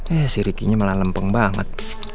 eh si rikinya malah lempeng banget